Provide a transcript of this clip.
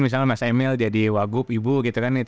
misalnya mas emil jadi wagub ibu gitu kan